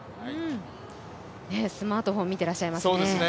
スマートフォン見てらっしゃいますね。